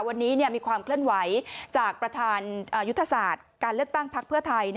วันนี้มีความเคลื่อนไหวจากประธานยุทธศาสตร์การเลือกตั้งพักเพื่อไทย